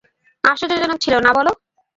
আশ্চর্যজনক ছিলো না বলো!